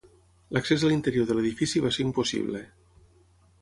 L'accés a l'interior de l'edifici va ser impossible.